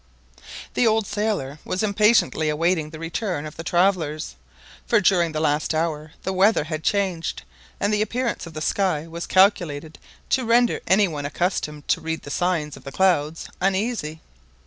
The old sailor was impatiently awaiting the return of the travellers; for during the last hour the weather had changed, and the appearance of the sky was calculated to render any one accustomed to read the signs of the clouds uneasy.